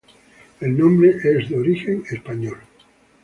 El nombre es de origen español.